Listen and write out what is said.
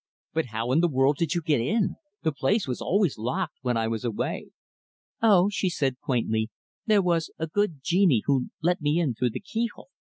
"But how in the world did you get in? The place was always locked, when I was away." "Oh," she said quaintly, "there was a good genie who let me in through the keyhole.